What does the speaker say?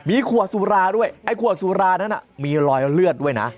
มีขวดสุราด้วยไอ้ขวดสุรานั้นมีรอยเลือดด้วยนะ